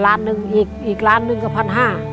หลานหนึ่งอีกอีกล้านหนึ่งก็ภันภา